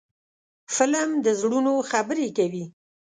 فلم د زړونو خبرې کوي